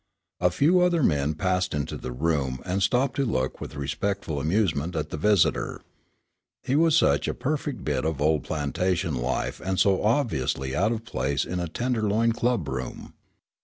A few other men passed into the room and stopped to look with respectful amusement at the visitor. He was such a perfect bit of old plantation life and so obviously out of place in a Tenderloin club room.